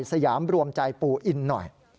สยามรวมใจปู่อินหน่อย